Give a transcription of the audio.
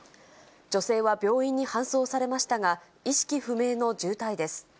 女性は病院に搬送されましたが、意識不明の重体です。